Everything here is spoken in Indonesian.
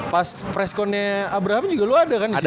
pas presconnya abraham juga lu ada kan disitu